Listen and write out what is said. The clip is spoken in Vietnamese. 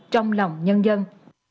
trong lòng nhân dân